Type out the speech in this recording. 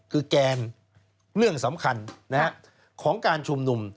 คือแกนเรื่องสำคัญของการชุมนุม